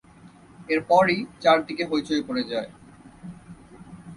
এরপরই চারদিকে হইচই পড়ে যায়।